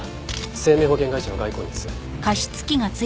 生命保険会社の外交員です。